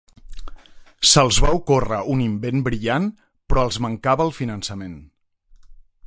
Se'ls va ocórrer un invent brillant però els mancava el finançament.